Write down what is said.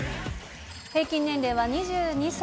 平均年齢は２２歳。